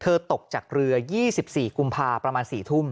ตกจากเรือ๒๔กุมภาประมาณ๔ทุ่ม